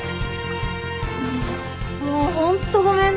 もうホントごめんね。